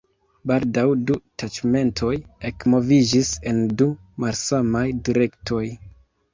Baldaŭ du taĉmentoj ekmoviĝis en du malsamaj direktoj.